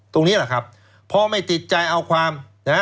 ตรงนี้แหละครับพ่อไม่ติดใจเอาความนะฮะ